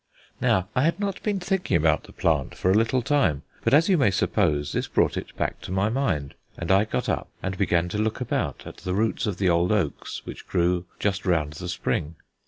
Now I had not been thinking about the plant for a little time; but, as you may suppose, this brought it back to my mind and I got up and began to look about at the roots of the old oaks which grew just round the spring.